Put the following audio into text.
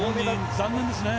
残念ですね。